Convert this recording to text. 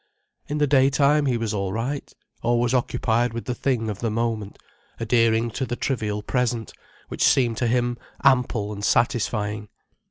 In the daytime he was all right, always occupied with the thing of the moment, adhering to the trivial present, which seemed to him ample and satisfying.